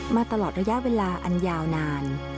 มาตลอดระยะเวลาอันยาวนาน